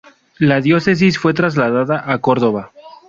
La diócesis fue trasladada a Córdoba.